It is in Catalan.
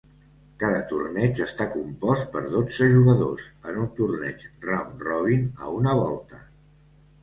Cada torneig està compost per dotze jugadors, en un torneig round-robin a una volta.